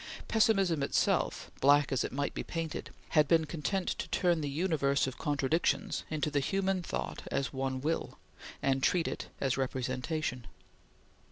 Pessimism itself, black as it might be painted, had been content to turn the universe of contradictions into the human thought as one Will, and treat it as representation.